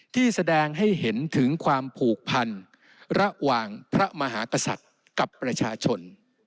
ที่แสดงให้เห็นถึงความผูกพันระหว่างพระมหากษัตริย์กับประชาชน